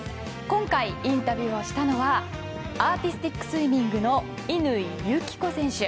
今回、インタビューをしたのはアーティスティックスイミングの乾友紀子選手。